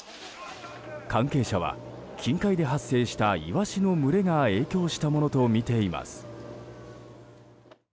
関係者は近海で発生したイワシの群れが影響したものとみています。